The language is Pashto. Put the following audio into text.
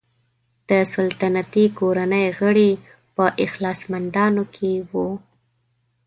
د سلطنتي کورنۍ غړي په اخلاصمندانو کې وو.